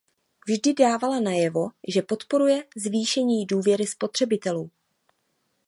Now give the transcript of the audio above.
Vždy dávala najevo, že podporuje zvýšení důvěry spotřebitelů.